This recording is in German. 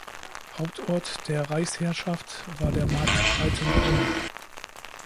Hauptort der Reichsherrschaft war der Markt Breitenbrunn.